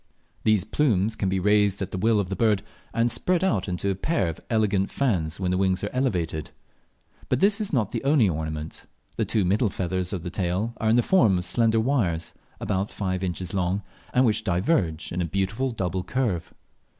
These plumes can be raised at the will of the bird, and spread out into a pair of elegant fans when the wings are elevated. But this is not the only ornament. The two middle feathers of the tail are in the form of slender wires about five inches long, and which diverge in a beautiful double curve.